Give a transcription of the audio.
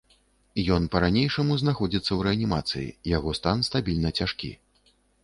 Ён па-ранейшаму знаходзіцца ў рэанімацыі, яго стан стабільна цяжкі.